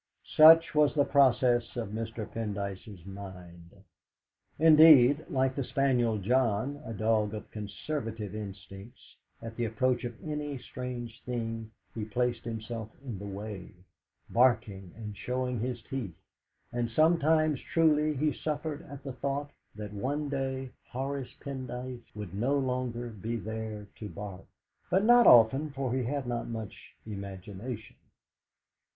Such was the process of Mr. Pendyce's mind. Indeed, like the spaniel John, a dog of conservative instincts, at the approach of any strange thing he placed himself in the way, barking and showing his teeth; and sometimes truly he suffered at the thought that one day Horace Pendyce would no longer be there to bark. But not often, for he had not much imagination.